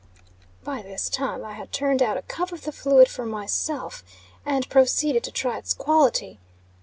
By this time I had turned out a cup of the fluid for myself, and proceeded to try its quality.